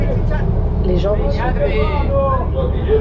Les jambes sont courtes.